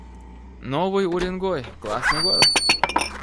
Новый Уренгой — классный город